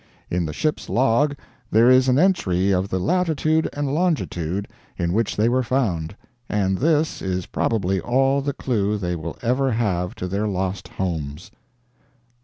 In the ship's log there is an entry of the latitude and longitude in which they were found, and this is probably all the clue they will ever have to their lost homes."